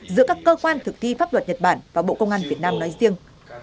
giữa các cơ quan thực thi pháp luật nhật bản và bộ công an việt nam nói riêng